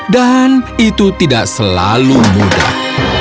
dan itu tidak selalu mudah